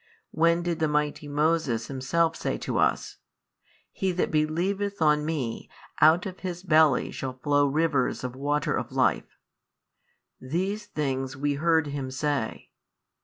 when did the mighty Moses himself say to us, He that believeth on me, out of his belly shall flow rivers of water of life: these things we heard Him say.